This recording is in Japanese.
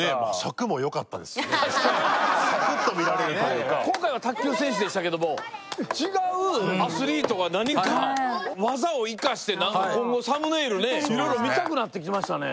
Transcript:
サクッと見られるというか今回は卓球選手でしたけども違うアスリートが何か技を生かして今後サムネイルね色々見たくなってきましたね